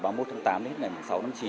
đến hết ngày một mươi sáu chín